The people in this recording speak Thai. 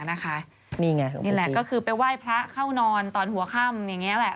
นี่ไงนี่แหละก็คือไปไหว้พระเข้านอนตอนหัวค่ำอย่างนี้แหละ